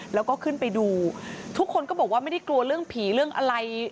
แล้วก็ขึ้นไปดูทุกคนก็บอกว่าไม่ได้กลัวเรื่องผีเรื่องอะไร